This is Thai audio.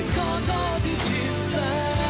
ก็เถอะที่จะสัญญา